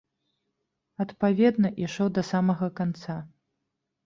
Адпаведна, ішоў да самага канца.